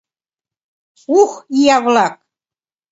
Ух, ия-влак!